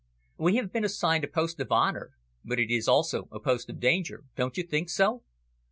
"We have been assigned a post of honour, but it is also a post of danger. Don't you think so?"